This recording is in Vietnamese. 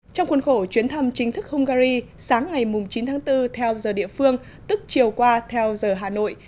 trong khuôn khổ chuyến thăm chính thức hungary sáng ngày chín tháng bốn theo giờ địa phương tức chiều qua theo giờ hà nội